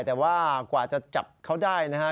แต่ว่ากว่าจะจับเขาได้นะฮะ